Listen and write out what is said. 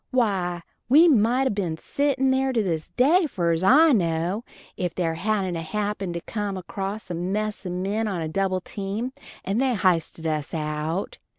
Why we might a benn sittin' there to this day fur as I know, if there hadent a happened to come along a mess o' men in a double team, and they hysted us out.